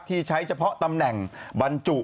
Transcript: ที่ใช้เฉพาะตำแหน่งบรรจุ